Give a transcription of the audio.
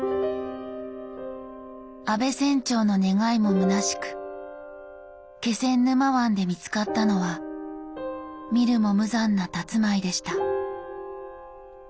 阿部船長の願いもむなしく気仙沼湾で見つかったのは見るも無残なたつまいでした。